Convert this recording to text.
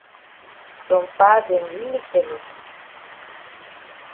Some pa dem really careless.